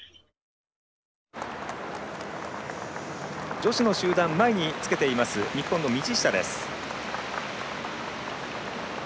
女子の集団前につけています日本の道下です。